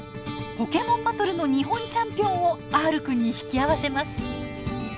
ポケモンバトルの日本チャンピオンをＲくんに引き合わせます。